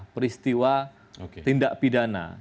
peristiwa tindak pidana